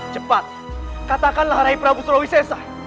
cepat katakanlah rai prabu surawi sesa